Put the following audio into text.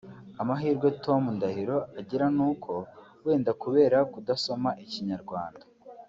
Amahirwe Tom Ndahiro agira nuko wenda kubera kudasoma ikinyarwanda